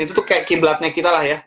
itu tuh kayak kiblatnya kita lah ya